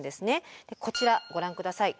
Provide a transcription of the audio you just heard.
こちらご覧ください。